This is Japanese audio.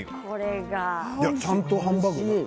ちゃんとハンバーグ。